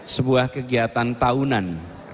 sebuah kegiatan tahunan